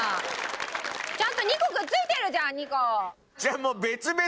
ちゃんと２個くっついてるじゃん２個。